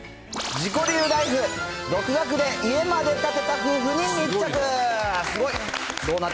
自己流ライフ独学で家まで建てた夫婦に密着。